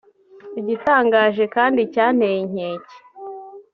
Igitangaje kandi cyanteye inkeke